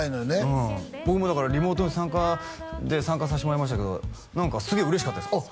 うん僕もだからリモートで参加させてもらいましたけど何かすげえ嬉しかったですあっ